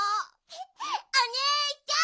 おねえちゃん！